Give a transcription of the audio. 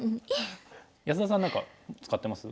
安田さん何か使ってます？